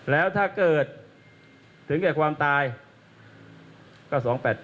แล้วถ้าเกิดถึงแก่ความตายก็๒๘๘